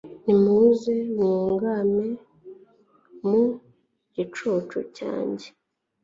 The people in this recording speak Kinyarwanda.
nimuze mwugame mu gicucu cyanjye